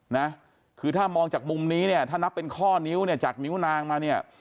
นะคือถ้ามองจากมุมนี้เนี่ยถ้านับเป็นข้อนิ้วเนี่ยจากนิ้วนางมาเนี่ย